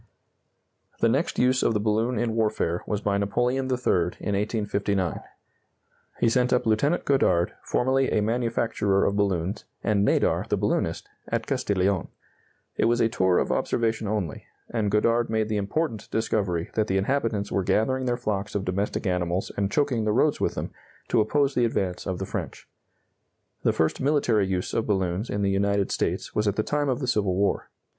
The next use of the balloon in warfare was by Napoleon III, in 1859. He sent up Lieutenant Godard, formerly a manufacturer of balloons, and Nadar, the balloonist, at Castiglione. It was a tour of observation only, and Godard made the important discovery that the inhabitants were gathering their flocks of domestic animals and choking the roads with them, to oppose the advance of the French. The first military use of balloons in the United States was at the time of the Civil War.